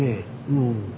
うん。